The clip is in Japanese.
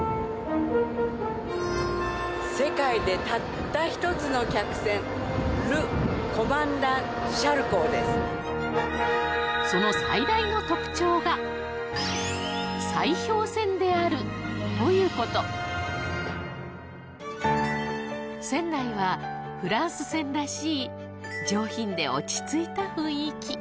世界でたった一つの客船そのであるということ船内はフランス船らしい上品で落ち着いた雰囲気